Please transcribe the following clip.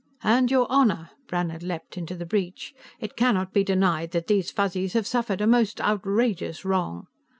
"And, your Honor," Brannhard leaped into the breach, "it cannot be denied that these Fuzzies have suffered a most outrageous wrong!